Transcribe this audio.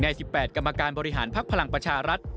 ๑๘กรรมการบริหารภักดิ์พลังประชารัฐ